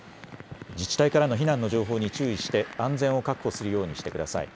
自治体からの避難の情報に注意して安全を確保するようにしてください。